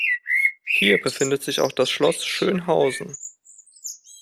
Hier befindet sich auch das Schloss Schönhausen.